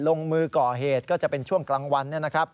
ลงมือก่อเหตุก็จะเป็นช่วงกลางวัน